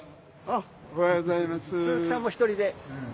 おはようございます。